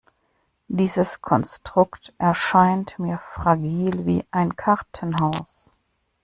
Dieses Konstrukt erscheint mir fragil wie ein Kartenhaus.